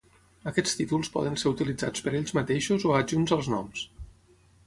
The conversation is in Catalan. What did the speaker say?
Aquests títols poden ser utilitzats per ells mateixos o adjunts als noms.